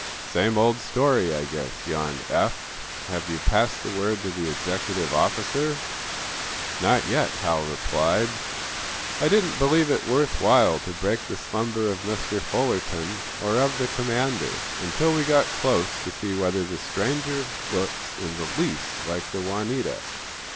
"Same old story, I guess," yawned Eph. "Have you passed the word to the executive office?" "Not yet," Hal replied. "I didn't believe it worth while to break the slumber of Mr. Fullerton, or of the commander, until we got close to see whether the stranger looks in the least like the 'Juanita.'"